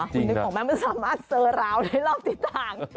คุณนึกออกไหมมันสามารถเซอร์ราวได้รอบติดต่าง